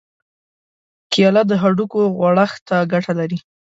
کېله د هډوکو غوړښت ته ګټه لري.